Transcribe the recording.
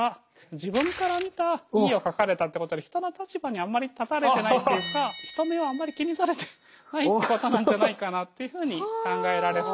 自分から見たＥを書かれたってことで人の立場にあんまり立たれてないっていうか人目をあんまり気にされてないってことなんじゃないかなっていうふうに考えられそうです。